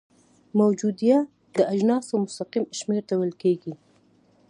موجودیه د اجناسو مستقیم شمیر ته ویل کیږي.